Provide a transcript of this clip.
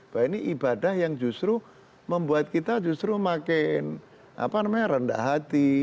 bahwa ini ibadah yang justru membuat kita justru makin rendah hati